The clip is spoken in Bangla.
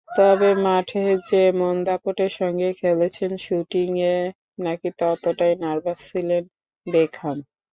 তবে মাঠে যেমন দাপটের সঙ্গে খেলেছেন শুটিংয়ে নাকি ততটাই নার্ভাস ছিলেন বেকহাম।